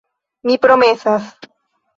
Mi promesas.